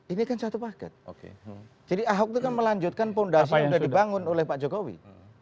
ini kan satu paket jadi ahok itu kan melanjutkan fondasi yang sudah dibangun oleh pak jokowi